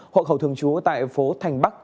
hội khẩu thường chú tại phố thành bắc